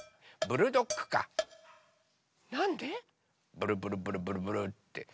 ブルブルブルブルブルって。